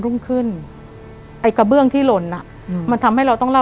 เริ่มเกเล